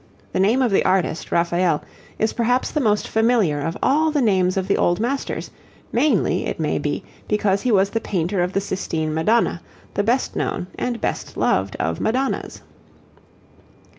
The name of the artist, Raphael, is perhaps the most familiar of all the names of the Old Masters, mainly, it may be, because he was the painter of the Sistine Madonna, the best known and best loved of Madonnas.